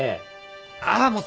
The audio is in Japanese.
ああもう！